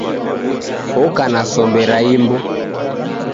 Oka na sombe ra imbu.